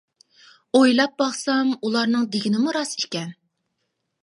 ئويلاپ باقسام ئۇلارنىڭ دېگىنىمۇ راست ئىكەن.